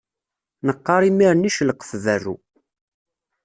Neqqaṛ imir-nni celqef berru.